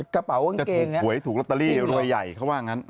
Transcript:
โชคละ